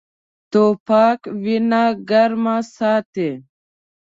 توپک وینه ګرمه ساتي.